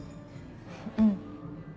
うん。